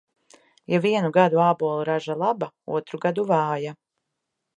Ja vienu gadu ābolu raža laba, otru gadu vāja.